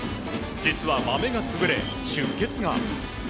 実はマメが潰れ、出血が。